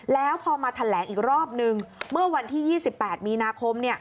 แล้วพอมาแถลงอีกรอบนึงเมื่อวันที่๒๘มีนาคม